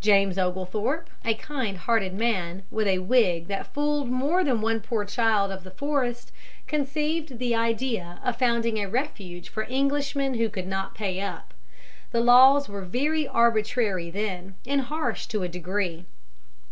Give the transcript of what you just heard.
James Oglethorpe, a kind hearted man, with a wig that fooled more than one poor child of the forest, conceived the idea of founding a refuge for Englishmen who could not pay up. The laws were very arbitrary then, and harsh to a degree.